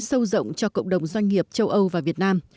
sâu rộng cho cộng đồng doanh nghiệp châu âu và việt nam